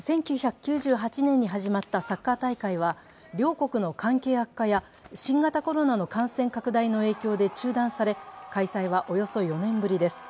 １９９８年に始まったサッカー大会は、両国の関係悪化や新型コロナの感染拡大の影響で中断され開催はおよそ４年ぶりです。